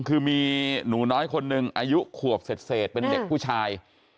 คือมีหนูน้อยคนหนึ่งอายุขวบเศษเป็นเด็กผู้ชาย